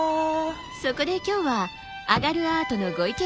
そこで今日は「あがるアート」のご意見